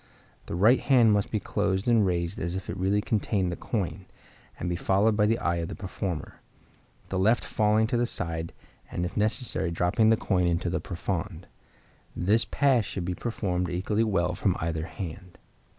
The right hand must be closed and raised as if it really contained the coin, and be followed by the eye of the performer; the left falling to the side, and if necessary dropping the coin into the profonde. This pass should be performed equally well from either hand.